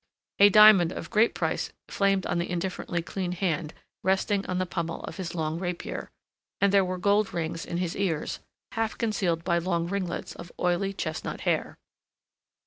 A diamond of great price flamed on the indifferently clean hand resting on the pummel of his long rapier, and there were gold rings in his ears, half concealed by long ringlets of oily chestnut hair.